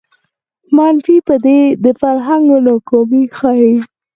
منفي پدیدې د فرهنګ ناکامي ښيي